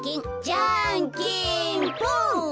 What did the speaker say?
じゃんけんぽん！